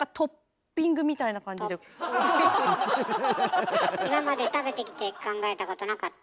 なんか今まで食べてきて考えたことなかった？